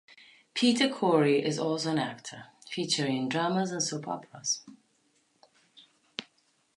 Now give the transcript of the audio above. Peter Corey is also an actor, featuring in dramas and soap operas.